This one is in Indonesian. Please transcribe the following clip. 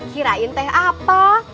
kirain teh apa